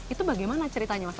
itu bagaimana ceritanya mas